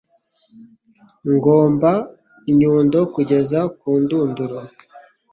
Ngomba inyundo kugeza ku ndunduro.